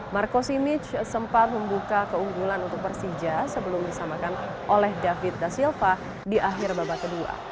marco simic sempat membuka keunggulan untuk persija sebelum disamakan oleh david da silva di akhir babak kedua